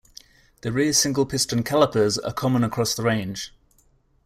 The rear single piston calipers are common across the range.